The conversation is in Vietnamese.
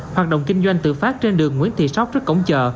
hoạt động kinh doanh tự phát trên đường nguyễn thị sóc trước cổng chợ